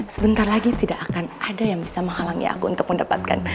sebentar lagi tidak akan ada yang bisa menghalangi aku untuk mendapatkan